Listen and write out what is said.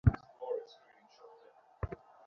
এখানে সমস্যা কি?